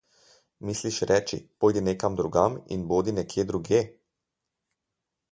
Misliš reči, pojdi nekam drugam in bodi nekje drugje?